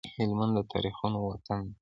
هلمند د تاريخونو وطن دی